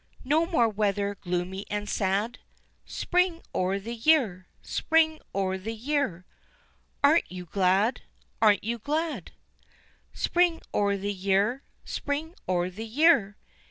_" No more weather gloomy and sad, Spring o' the year! Spring o' the year! Aren't you glad? Aren't you glad? "_Spring o' the year! Spring o' the year!